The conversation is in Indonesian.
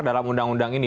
di dalam undang undang ini